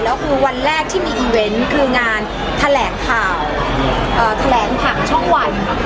แล้วคือวันแรกที่มีอีเวนต์คืองานแถลงข่าวแถลงผ่านช่องวัน